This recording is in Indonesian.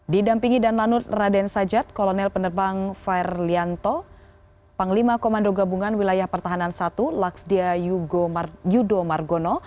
didampingi dan lanut raden sajat kolonel penerbang fair lianto panglima komando gabungan wilayah pertahanan satu laksdia yudo margono